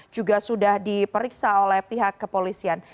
juga sudah diperiksa oleh pihak kepolisian